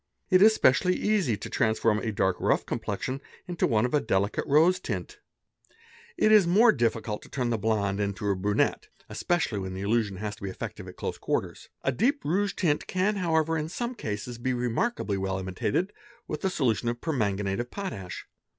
It is specially easy to transform a dark rough complexion into one of a delicate rose tint; it is more difficult to turn the blonde into a brunette, espcially when the illusion has to be effective' at close quarters. A deep rouge tint can however "in some cases be remarkably well imitated with a solution of perman ganate of potash.